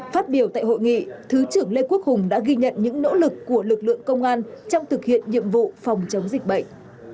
phát biểu tại hội nghị thứ trưởng lê quốc hùng đã ghi nhận những nỗ lực của lực lượng công an trong thực hiện nhiệm vụ phòng chống dịch bệnh